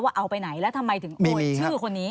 เอาไปไหนแล้วทำไมถึงโอนชื่อคนนี้